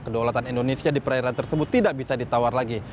kedaulatan indonesia di perairan tersebut tidak bisa ditawar lagi